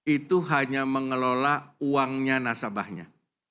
itu hanya mengelola uangnya nasabahnya